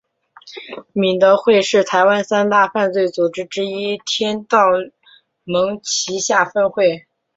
敏德会是台湾三大犯罪组织之一天道盟旗下分会。